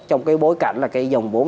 trong cái bối cảnh là cái dòng vốn